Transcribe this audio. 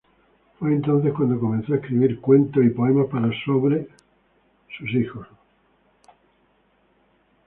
Fue entonces cuando comenzó a escribir cuentos y poemas para y sobre sus hijos.